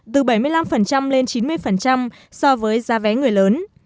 từ bảy mươi năm lên chín mươi so với giá vé người lớn